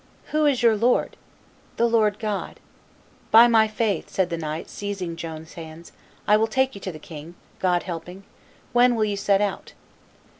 "Who is your lord?" "The Lord God." "By my faith," said the knight, seizing Joan's hands, "I will take you to the king, God helping. When will you set out?"